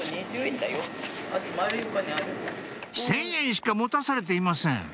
１０００円しか持たされていません